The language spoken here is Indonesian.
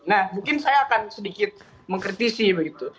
nah mungkin saya akan sedikit mengkritisi begitu